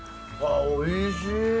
おいしい。